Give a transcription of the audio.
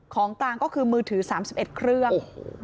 ของกลางก็คือมือถือสามสิบเอ็ดเครื่องโอ้โห